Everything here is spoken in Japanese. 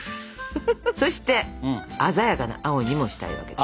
そして鮮やかな青にもしたいわけです。